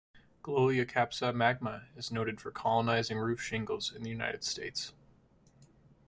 "Gloeocapsa magma" is noted for colonising roof shingles in the United States.